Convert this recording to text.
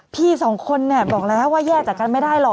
พี่สองคนเนี่ยบอกแล้วว่าแยกจากกันไม่ได้หรอก